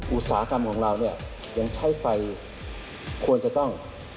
อุตสาหกรรมของเราเนี่ยยังใช้ไฟควรจะต้อง